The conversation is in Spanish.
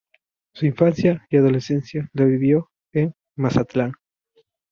Su infancia y adolescencia la vivió en Mazatlán.